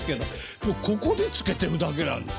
もうここでつけてるだけなんです。